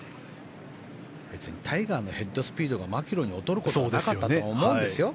タイガーのヘッドスピードがマキロイに劣ることはなかったと思うんですよ。